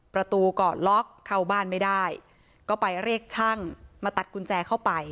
ประตูก็ล็อกเข้าบ้านไม่ได้ก็ไปเรียกช่างมาตัดกุญแจเข้าไป